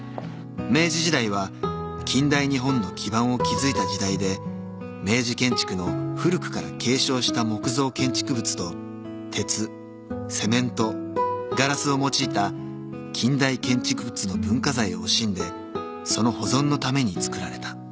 明治時代は近代日本の基盤を築いた時代で明治建築の古くから継承した木造建築物と鉄セメントガラスを用いた近代建築物の文化財を惜しんでその保存のために造られた］